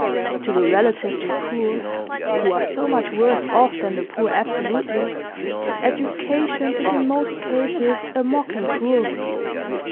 To the relatively poor (who are so much worse off than the poor absolutely) education is in most cases a mocking cruelty.